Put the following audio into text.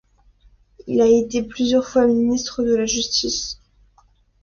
Il a été plusieurs fois ministre de la justice.